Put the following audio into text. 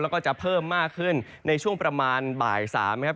แล้วก็จะเพิ่มมากขึ้นในช่วงประมาณบ่าย๓นะครับ